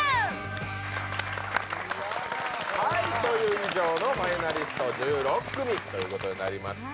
以上のファイナリスト１６組ということになりました。